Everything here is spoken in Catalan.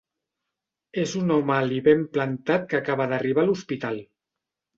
És un home alt i ben plantat que acaba d'arribar a l'hospital.